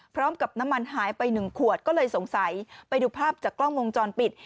พร้อมกับน้ำมันหายไปหนึ่งขวดก็เลยสงสัยไปดูภาพจากกล้องวงจรปิด